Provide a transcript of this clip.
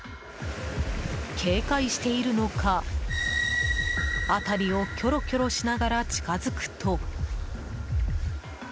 警戒しているのか辺りをきょろきょろしながら近づくと。